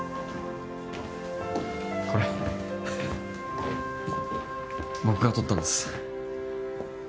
これ僕が撮ったんです